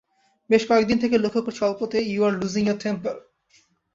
বেশ কয়েকদিন থেকেই লক্ষ করছি অল্পতেই you are losing your temper.